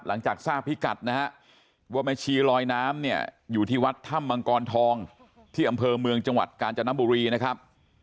หลังจากทราบพิกัดนะฮะว่าแม่ชีลอยน้ำเนี่ยอยู่ที่วัดถ้ำมังกรทองที่อำเภอเมืองจังหวัดกาญจนบุรีนะครับ